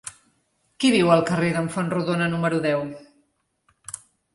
Qui viu al carrer d'en Fontrodona número deu?